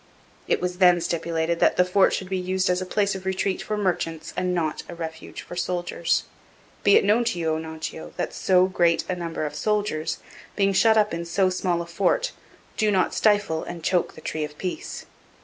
It was then stipulated that the fort should be used as a place of retreat for merchants and not a refuge for soldiers. Be it known to you, Onontio, that so great a number of soldiers, being shut up in so small a fort, do not stifle and choke the Tree of Peace.